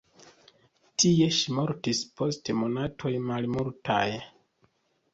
Tie ŝi mortis post monatoj malmultaj.